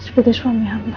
tolong berikanlah suami hamba